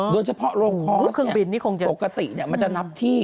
โดยเฉพาะโลกคอร์สปกติมันจะนับที่